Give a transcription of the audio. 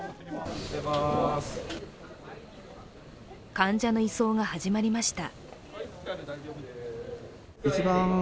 患者の移送が始まりました。